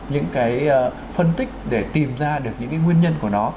những phân tích để tìm ra được những nguyên nhân của nó